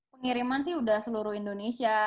pengiriman sih udah seluruh indonesia